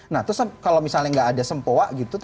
nah terus kalau misalnya nggak ada sempowa gitu